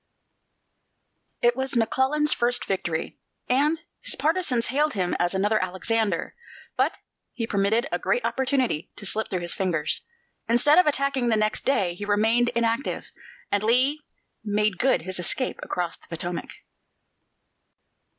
It was McClellan's first victory, and his partisans hailed him as another Alexander; but he permitted a great opportunity to slip through his fingers. Instead of attacking next day, he remained inactive, and Lee made good his escape across the Potomac.